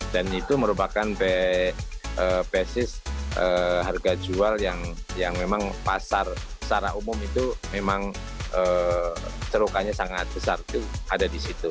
dan itu merupakan basis harga jual yang memang pasar secara umum itu memang cerukannya sangat besar tuh ada di situ